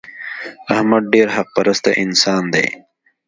احمد ډېر حق پرسته انسان دی.